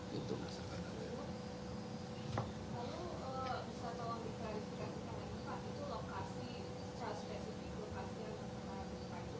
lalu bisa tolong diklarifikasi